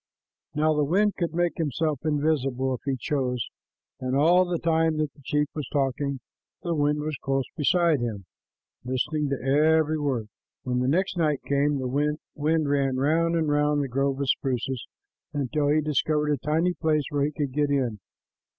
Now the wind could make himself invisible if he chose, and all the time that the chief was talking, the wind was close beside him listening to every word. When the next night came, the wind ran round and round the grove of spruces until he discovered a tiny place where he could get in.